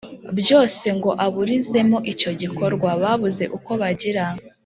byose ngo aburizemo icyo gikorwa. babuze uko bagira,